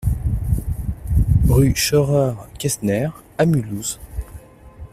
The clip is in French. Rue Scheurer-Kestner à Mulhouse